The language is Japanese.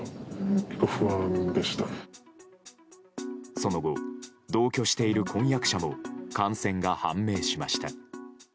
その後、同居している婚約者も感染が判明しました。